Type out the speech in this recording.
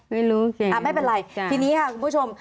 โอเคไม่เป็นไรทีนี้ค่ะคุณผู้ชม